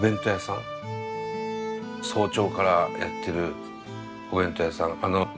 早朝からやってるお弁当屋さん。